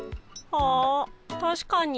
あたしかに。